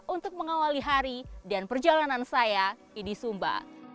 untuk mengawali hari dan perjalanan saya di sumba